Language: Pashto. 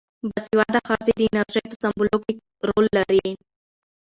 باسواده ښځې د انرژۍ په سپمولو کې رول لري.